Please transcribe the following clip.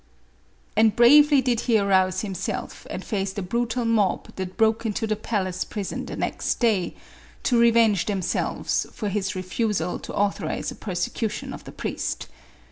And bravely did he arouse himself and face the bru tal mob that broke into the palace prison the next year, to revenge themselves for his refusal to authorize a per secution of the priests.